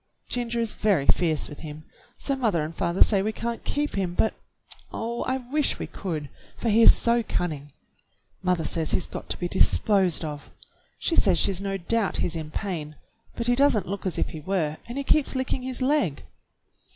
Ginger is very fierce with him, so mother and father say we can't keep him, but, oh, I wish we could, for he is so cunning! Mother says he's got to be disposed of. She says she's no doubt he's in pain, but he does n't look as if he were, and he keeps licking his leg."